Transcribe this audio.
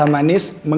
aku mau ke rumah